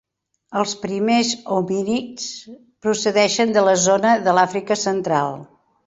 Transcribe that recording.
Els primers homínids procedeixen de la zona de l'Àfrica central.